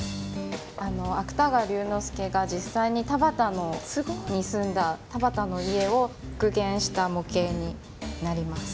あの芥川龍之介が実際に田端に住んだ田端の家を復元した模型になります。